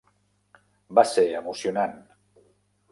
Va ser emocionant.